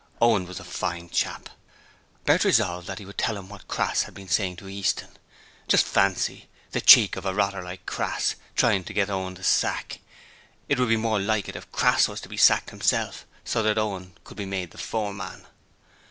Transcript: Owen was a fine chap. Bert resolved that he would tell him what Crass had been saying to Easton. Just fancy, the cheek of a rotter like Crass, trying to get Owen the sack! It would be more like it if Crass was to be sacked himself, so that Owen could be the foreman.